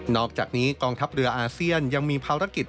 อกจากนี้กองทัพเรืออาเซียนยังมีภารกิจ